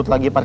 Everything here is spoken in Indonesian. dia di mana